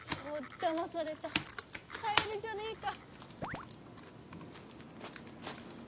だまされたカエルじゃねえか。